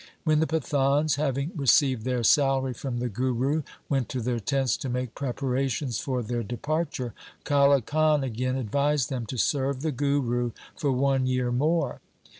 When the Pathans, having received their salary from the Guru, went to their tents to make preparations for their departure, Kale Khan again advised them to serve the Guru for one year more.